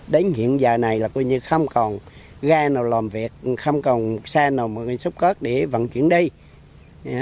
đến hiện giờ này là không còn gai nào làm việc không còn xe nào xúc cất để vận chuyển đi